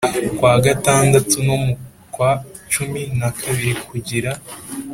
Kwa gatandatu no mu kwa cumi na kabiri kugira